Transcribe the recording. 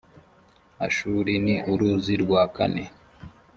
ashuri ni uruzi rwa kane